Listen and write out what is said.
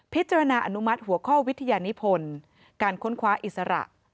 อนุมัติหัวข้อวิทยานิพลการค้นคว้าอิสระ